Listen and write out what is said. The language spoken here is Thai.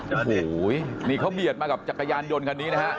โอ้โหนี่เขาเบียดมากับจักรยานยนต์คันนี้นะฮะ